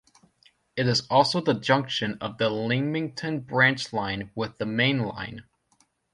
It is also the junction of the Lymington Branch Line with the main line.